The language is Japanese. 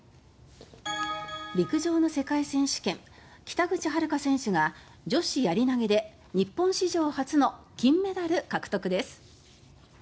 陸上の世界選手権北口榛花選手が女子やり投で日本史上初の金メダル獲得です。